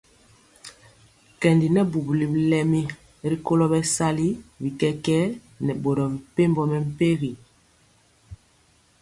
Nkendi nɛ bubuli lɛmi rikolo bɛsali bi kɛkɛɛ nɛ boro mepempɔ mɛmpegi.